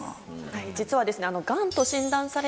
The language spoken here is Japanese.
実はですね。